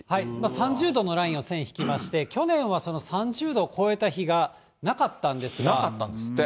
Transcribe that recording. ３０度のラインを線引きまして、去年はその３０度を超えた日なかったんですって。